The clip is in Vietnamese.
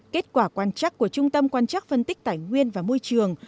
kết quả quan trắc của trung tâm quan trắc phân tích tài nguyên và môi trường